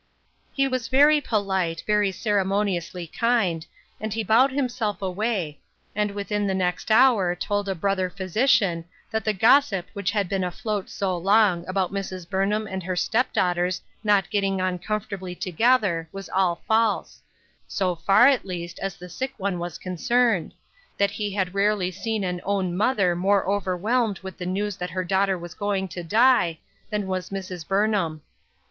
He was very polite, very ceremoniously kind, and he bowed himself away, and within the next hour told a brother physician that the gossip which had been afloat so long about Mrs. Burnham and her step daughters not getting on comfortably WAITING. 235 together, was all false ; so far, at least, as the sick one was concerned ; that he had rarely seen an own mother more overwhelmed with the news that her daughter was going to die, than was Mrs. Burnham.